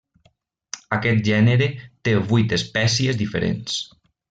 Aquest gènere té vuit espècies diferents.